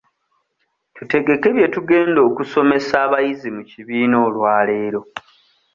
Tutegeke bye tugenda okusomesa abayizi mu kibiina olwaleero.